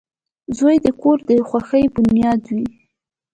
• زوی د کور د خوښۍ بنیاد وي.